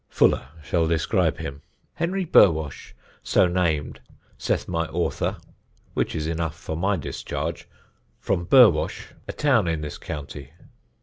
Fuller shall describe him: "Henry Burwash, so named, saith my Author (which is enough for my discharge) from Burwash, a Town in this County.